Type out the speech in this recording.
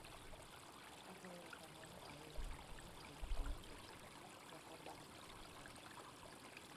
agoyo erokamano ahinya. nyalo bedo ni onge weche moko bang' wacho